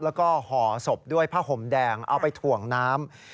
แล้วก็ห่อศพด้วยผ้าห่มแดงเอาไปถ่วงน้ำ